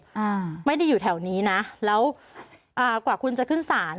อ่าไม่ได้อยู่แถวนี้นะแล้วอ่ากว่าคุณจะขึ้นศาล